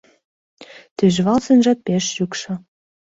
Тӱжвал сынжат пеш шӱкшо.